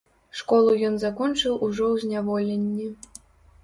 Школу ён закончыў ужо ў зняволенні.